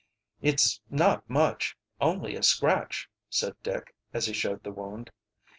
"It's not much only a scratch," said Dick, as he showed the wound.